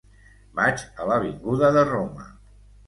Vaig a l'avinguda de Roma.